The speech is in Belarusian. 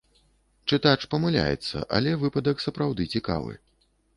Чытач памыляецца, але выпадак, сапраўды, цікавы.